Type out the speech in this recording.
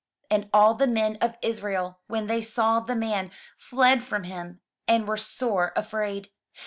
And all the men of Israel, when they saw the man, fled from him, and were sore afraid.